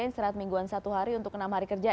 istirahat mingguan satu hari untuk enam hari kerja